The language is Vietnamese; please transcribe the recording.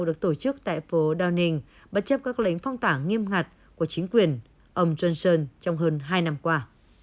được tổ chức tại phố downing bất chấp các lệnh phong tỏa nghiêm ngặt của chính quyền ông johnson trong hơn hai năm qua